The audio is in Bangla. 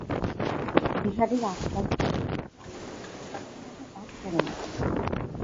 বিহারীর আজকাল পূর্বের মতো আদর নাই–তাহার ডাক পড়ে না।